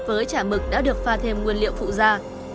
với chả mực đã được pha thêm nguyên liệu phụ da